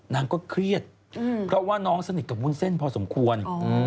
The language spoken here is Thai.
นางก็เครียดเพราะว่าน้องสนิทกับวุ้นเส้นพอสมควร